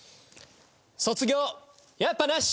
卒業やっぱなし！